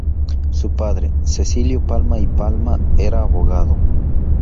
Su padre, Cecilio Palma y Palma, era abogado.